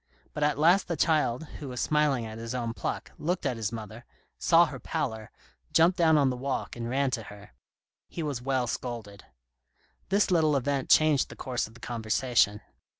But at last the child, who was smiling at his own pluck, looked at his mother, saw her pallor, jumped down on to the walk and ran to her. He was well scolded. This little event changed the course of the conversation.